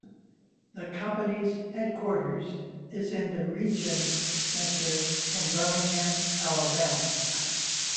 The company's headquarters is in the Regions Center in Birmingham, Alabama.